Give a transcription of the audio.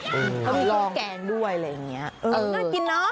มีเครื่องแกงด้วยอะไรอย่างนี้น่ากินเนอะ